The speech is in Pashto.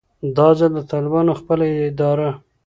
دا ځل د طالبانو خپله اداره